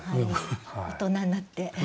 大人になって。